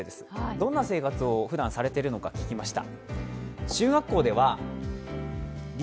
どんな生活をふだんされているのか、聞きました。